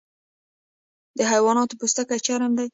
د حیواناتو پوستکی چرم دی